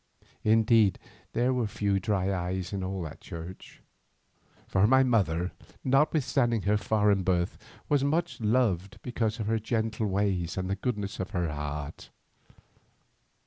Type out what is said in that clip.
Indeed there were few dry eyes in all that church, for my mother, notwithstanding her foreign birth, was much loved because of her gentle ways and the goodness of her heart.